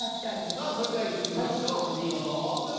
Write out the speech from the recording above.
さあそれではいきましょう個人予想オープン。